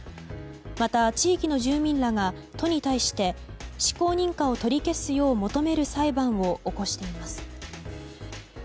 また、地域の住民らが都に対して施行認可を取り消すよう求める裁判を起こしています。